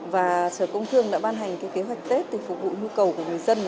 và sở công thương đã ban hành kế hoạch tết để phục vụ nhu cầu của người dân